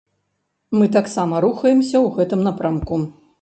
Мы таксама рухаемся ў гэтым напрамку.